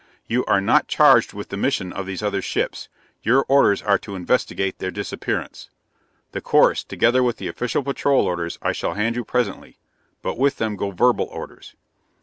"You are not charged with the mission of these other ships; your orders are to investigate their disappearance. The course, together with the official patrol orders, I shall hand you presently, but with them go verbal orders.